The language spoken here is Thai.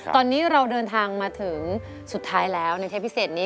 ตอนนี้เราเดินทางมาถึงสุดท้ายแล้วในเทปพิเศษนี้